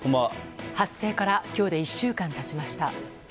発生から今日で１週間経ちました。